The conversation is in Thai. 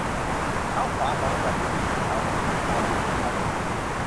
เท้าขวาของฉันรู้สึกเหมือนเท้าของหญิงสาวผู้ดีชาวจีน